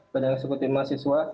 badan eksekutif mahasiswa